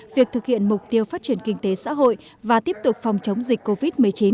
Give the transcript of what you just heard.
việc thực hiện mục tiêu phát triển kinh tế xã hội và tiếp tục phòng chống dịch covid một mươi chín